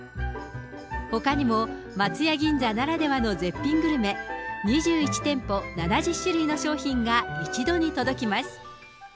ほかにも松屋銀座ならではの絶品グルメ、２１店舗７０種類の商品が一度に届きます。